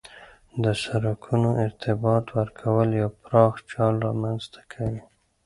د سرکونو ارتباط ورکول یو پراخ جال رامنځ ته کوي